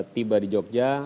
tiba di jogja